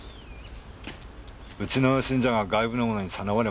うちの信者が外部の者にさらわれましてね。